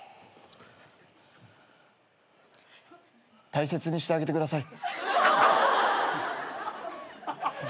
大切にしてあげてください。